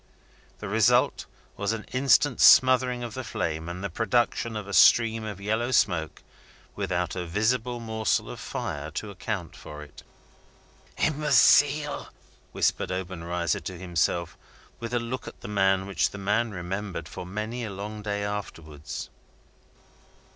The result was an instant smothering of the flame, and the production of a stream of yellow smoke, without a visible morsel of fire to account for it. "Imbecile!" whispered Obenreizer to himself, with a look at the man which the man remembered for many a long day afterwards.